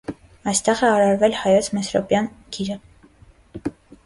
Այստեղ է արարվել հայոց մեսրոպյան գիրը։